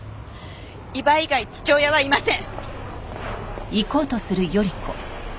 伊庭以外父親はいません！